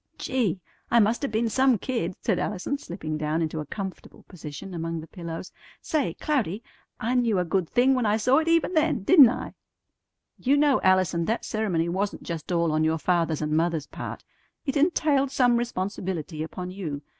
"Gee! I must 'a' been some kid!" said Allison, slipping down into a comfortable position among the pillows. "Say, Cloudy, I knew a good thing when I saw it even then, didn't I?" "You know, Allison, that ceremony wasn't just all on your father's and mother's part; it entailed some responsibility upon you.